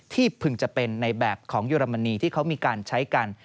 พึงจะเป็นในแบบของเยอรมนีที่เขามีการใช้กัน